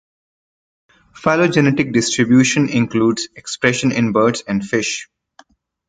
Phylogenetic distribution includes expression in birds and fish.